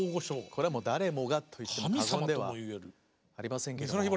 これは誰もがと言っても過言ではありませんけども。